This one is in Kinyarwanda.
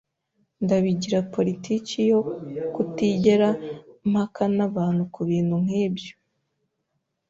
Ndabigira politiki yo kutigera mpaka n'abantu kubintu nkibyo.